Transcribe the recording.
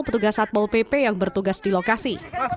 petugas satpol pp yang bertugas di lokasi